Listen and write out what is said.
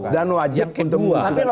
dan wajib untuk bukti itu